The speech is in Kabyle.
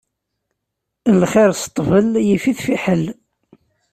Lxiṛ s ṭṭbel, yif-it fiḥel.